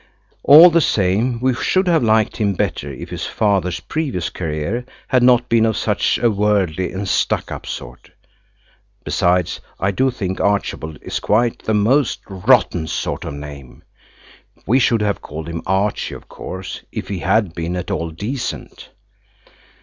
All the same we should have liked him better if his father's previous career had not been of such a worldly and stuck up sort. Besides, I do think Archibald is quite the most rotten sort of name. We should have called him Archie, of course, if he had been at all decent.